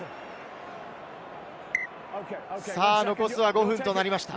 残すは５分となりました。